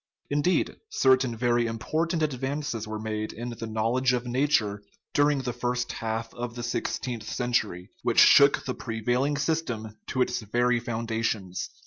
Indeed, certain very important advances were made in the knowledge of nature during the first half of the six teenth century, which shook the prevailing system to its very foundations.